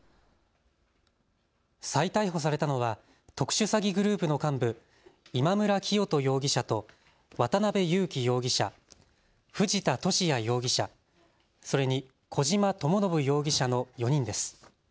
再逮捕されたのは特殊詐欺グループの幹部、今村磨人容疑者と渡邉優樹容疑者、藤田聖也容疑者、それに小島智信容疑者の４人です。